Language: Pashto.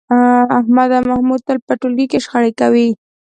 احمد او محمود تل په ټولګي کې شخړې کوي.